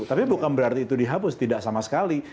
tapi bukan berarti itu dihapus tidak sama sekali